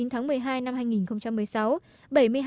một mươi chín tháng một mươi hai năm hai nghìn một mươi sáu